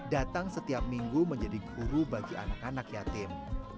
datang setiap minggu menjadi guru bagi anak anak yatim